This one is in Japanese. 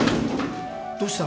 どうした？